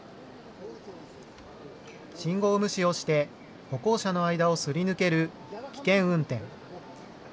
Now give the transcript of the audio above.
信号無視をして歩行者の間をすり抜ける危険運転。